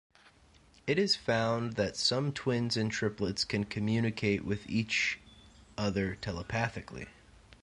It is found that some twins and triplets can communicate with each other telepathically.